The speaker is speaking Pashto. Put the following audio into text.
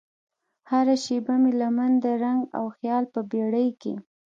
هره شیبه مې لمن د رنګ او خیال په بیړۍ کې